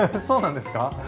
そうなんですか？